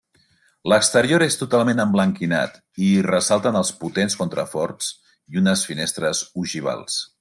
L'exterior és totalment emblanquinat i hi ressalten els potents contraforts i unes finestres ogivals.